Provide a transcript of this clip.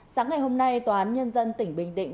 sáng ngày hôm nay tòa án nhân dân tỉnh bình định